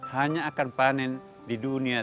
hanya akan panen di dunia